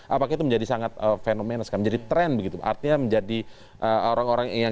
apakah itu menjadi sangat fenomens kan menjadi tren begitu artinya menjadi orang orang yang